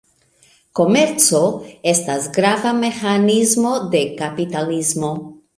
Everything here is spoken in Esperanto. Komerco estas grava meĥanismo de kapitalismo.